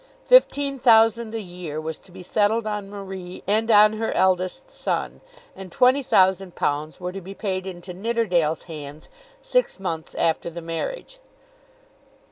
Fifteen thousand a year was to be settled on Marie and on her eldest son, and twenty thousand pounds were to be paid into Nidderdale's hands six months after the marriage.